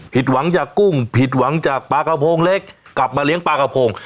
ผิดหวังจากกุ้งผิดหวังจากปลากระโพงเล็กกลับมาเลี้ยงปลากระพง